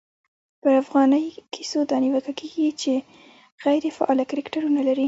پرا فغانۍ کیسو دا نیوکه کېږي، چي غیري فعاله کرکټرونه لري.